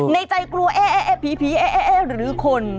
ในใจกลัวพีหรือคน